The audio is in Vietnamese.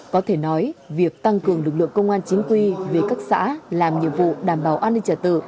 có thể nói việc tăng cường lực lượng công an chính quy về các xã làm nhiệm vụ đảm bảo an ninh trả tự